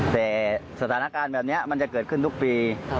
แต่สถานการณ์แบบนี้มันจะเกิดขึ้นทุกปี